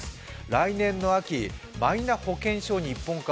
来年の秋、マイナ保険証に一本化。